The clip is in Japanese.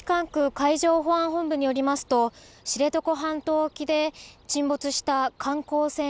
第１管区海上保安本部によりますと知床半島沖で沈没した観光船